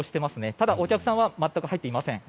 ただお客さんは全く入っていません。